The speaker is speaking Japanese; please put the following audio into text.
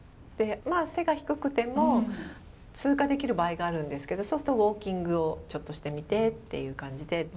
で背が低くても通過できる場合があるんですけどそうするとウォーキングをちょっとしてみてっていう感じで。